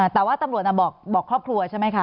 แต่ว่าตำรวจบอกครอบครัวใช่ไหมคะ